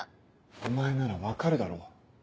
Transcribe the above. お前なら分かるだろ？